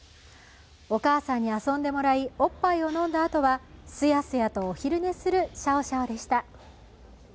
お母さんに遊んでもらいおっぱいを飲んだあとは、すやすやとお昼寝するシャオシャオでした。